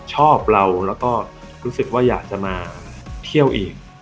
ชอบเราแล้วก็รู้สึกว่าอยากจะมาเที่ยวอีก